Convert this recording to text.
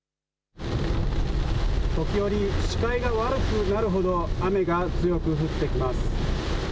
時折、視界が悪くなるほど雨が強く降ってきます。